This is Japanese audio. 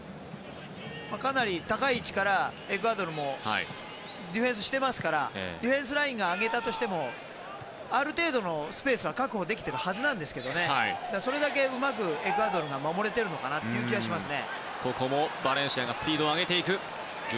かなり高い位置からエクアドルもディフェンスしてますからディフェンスラインが上げたとしてもある程度のスペースは確保できているはずですけどそれだけうまくエクアドルが守れているという気がします。